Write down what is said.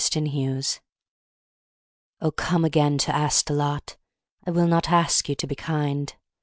ELAINE OH, come again to Astolat! I will not ask you to be kind.